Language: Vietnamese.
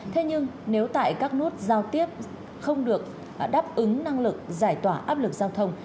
thế nhưng nếu tại các nút giao tiếp không được đáp ứng năng lực giải tỏa áp lực giao thông